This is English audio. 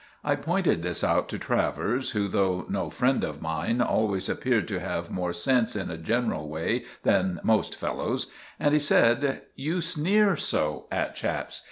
I pointed this out to Travers, who, though no friend of mine, always appeared to have more sense in a general way than most fellows; and he said— "You sneer so at chaps.